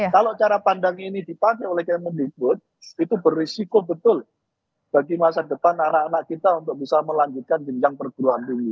kalau cara pandang ini dipakai oleh kemendikbud itu berisiko betul bagi masa depan anak anak kita untuk bisa melanjutkan jenjang perguruan tinggi